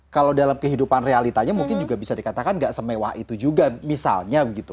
kalau dalam kehidupan realitanya mungkin juga bisa dikatakan gak semewah itu juga misalnya gitu